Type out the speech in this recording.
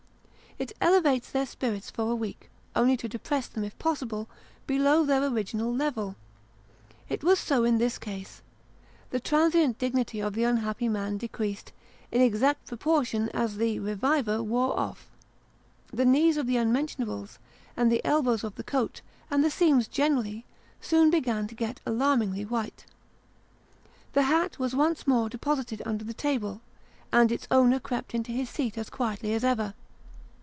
It elevates their spirits for a week, only to depress them, if possible, below their original level. It was so in this case ; the transient dignity of the unhappy man decreased, in exact proportion as the "reviver" wore off. The knees of the unmentionables, and the elbows of the coat, and the seams generally, soon began to get alarmingly white. The hat was once more deposited under the table, and its owner crept into his seat as quietly as ever.